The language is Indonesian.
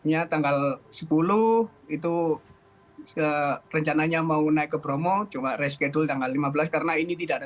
ya tanggal sepuluh itu rencananya mau naik ke bromo coba reschedule tanggal lima belas karena ini tidak ada